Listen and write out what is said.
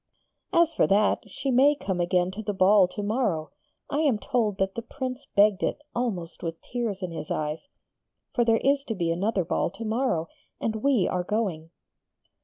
'As for that, she may come again to the ball to morrow. I am told that the Prince begged it, almost with tears in his eyes.... For there is to be another ball to morrow, and we are going!'